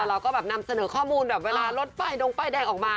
เราก็แบบนำเสนอข้อมูลเวลารถไปนงไปแดกออกมา